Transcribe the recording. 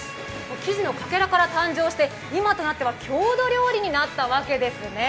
生地のかけらから誕生して、今となっては郷土料理になったわけですね。